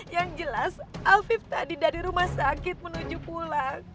yang jelas alvib tadi dari rumah sakit menuju pulang